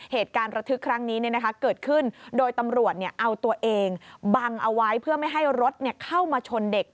เหตุการณ์ระทึกครั้งนี้เกิดขึ้นโดยตำรวจเอาตัวเองบังเอาไว้เพื่อไม่ให้รถเข้ามาชนเด็ก